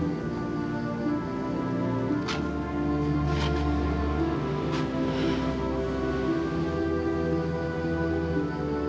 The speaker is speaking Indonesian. apakah mau ke artificial tonic ken zie